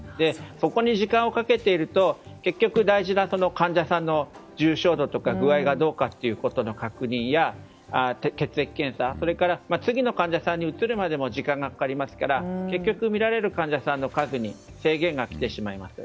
そこに時間をかけていると結局大事な患者さんの重症度とか具合がどうかの確認や血液検査、それから次の患者さんに移るまでもかかりますから結局、診られる患者さんの数に制限がきてしまいます。